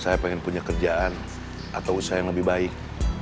saya pengen punya kerjaan atau usaha yang lebih baik